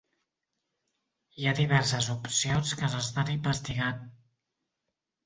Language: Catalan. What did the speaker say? Hi ha diverses opcions que s’estan investigant.